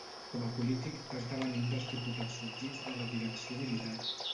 Com a polític, va esdevenir un dels diputats sorgits de la direcció militar.